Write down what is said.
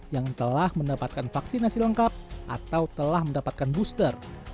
yang telah mendapatkan vaksinasi lengkap atau telah mendapatkan booster